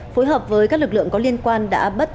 phối hợp với các lực lượng có liên quan đã bắt